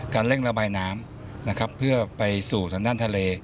เร่งระบายน้ำนะครับเพื่อไปสู่ทางด้านทะเล